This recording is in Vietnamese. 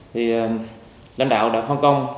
thì lãnh đạo đã phân công